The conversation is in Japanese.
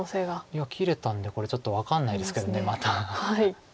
いや切れたんでこれちょっと分かんないですけどまた。